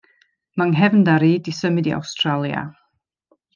Mae 'y nghefndar i 'di symud i Awstralia.